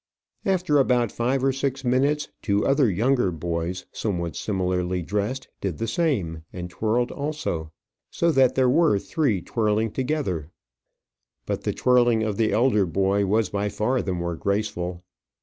After about five or six minutes, two other younger boys, somewhat similarly dressed, did the same, and twirled also; so that there were three twirling together. But the twirling of the elder boy was by far the more graceful.